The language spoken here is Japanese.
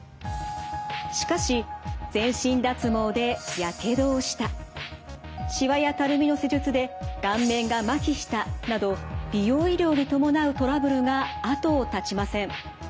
しかし全身脱毛でやけどをしたしわやたるみの施術で顔面がまひしたなど美容医療に伴うトラブルが後を絶ちません。